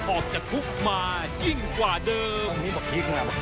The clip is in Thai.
ออกจากคุกมายิ่งกว่าเดิม